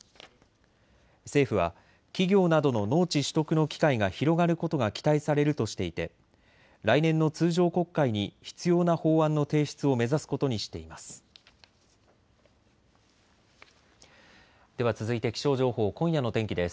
政府は企業などの農地取得の機会が広がることが期待されるとしていて来年の通常国会に必要な法案の提出を目指すことにしています。